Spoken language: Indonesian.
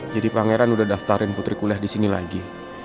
jadi pangeran sudah daftarin putri kuliah disini lagi